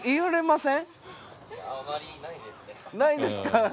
ないですか。